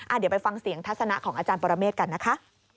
เดี๋ยวไปฟังเสียงทัศนะของอาจารย์ปรเมฆกันนะคะ